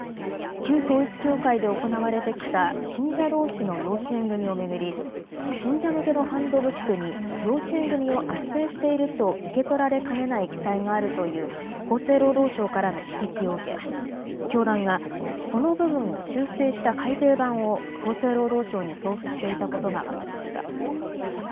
旧統一教会で行われてきた信者どうしの養子縁組みを巡り、信者向けのハンドブックに養子縁組みをあっせんしていると受け取られかねない記載があるという厚生労働省からの指摘を受け教団がその部分を修正した改訂版を厚生労働省に送付していたことが分かりました。